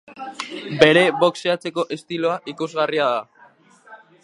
Bere boxeatzeko estiloa ikusgarria da.